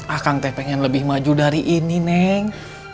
akang teh pengen lebih maju dari ini neng